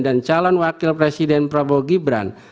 dan calon wakil presiden prabowo gibran